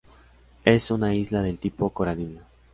Es una isla del tipo coralina.